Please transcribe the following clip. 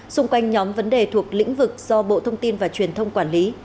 xung quanh nhóm vấn đề thuộc lĩnh vực do bộ thông tin và truyền thông quản lý